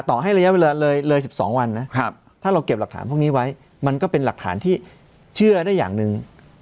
ต่อให้ระยะเวลาเลย๑๒วันนะถ้าเราเก็บหลักฐานพวกนี้ไว้มันก็เป็นหลักฐานที่เชื่อได้อย่างหนึ่ง